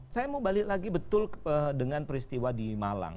saya mau balik lagi betul dengan peristiwa di malang